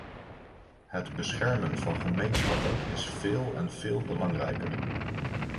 Het beschermen van gemeenschappen is veel en veel belangrijker.